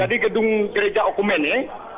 jadi gedung gereja okumene